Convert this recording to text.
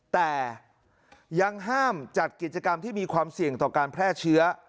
แต่ยังห้ามจัดกิจกรรมที่มีความเสี่ยงต่อการแพร่เชื้อ